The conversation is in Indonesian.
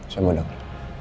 saya mau denger